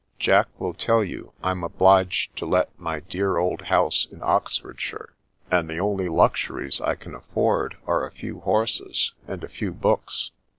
Jack will tell you Fm obliged to let my dear old house in Oxfordshire, and the only luxuries I can afford are a few horses and a few books.